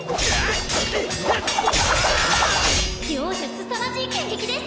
両者すさまじい剣げきです